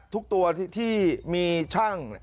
ทุกตัวที่มีช่าง